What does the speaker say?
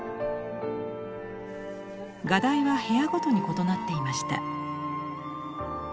画題は部屋ごとに異なっていました。